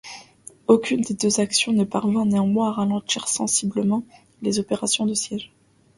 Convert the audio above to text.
Aucune des deux actions ne parvint néanmoins à ralentir sensiblement les opérations de siège.